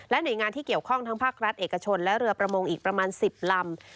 หน่วยงานที่เกี่ยวข้องทั้งภาครัฐเอกชนและเรือประมงอีกประมาณ๑๐ลำ